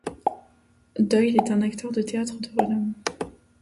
Doyle était un acteur de théâtre de renom.